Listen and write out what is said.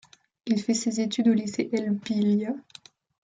Il fait ses études au lycée Elbilia.